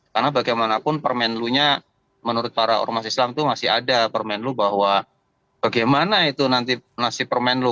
karena bagaimanapun permenlu nya menurut para ormas islam itu masih ada permenlu bahwa bagaimana itu nanti nasib permenlu